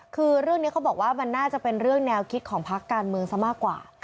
คือเรื่องนี้เขาบอกว่ามันน่าจะเป็นเรื่องแนวคิดของพักการเมืองซะมากกว่า